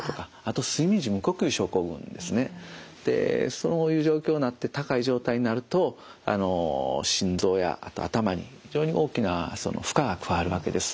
そういう状況になって高い状態になると心臓やあと頭に非常に大きな負荷が加わるわけです。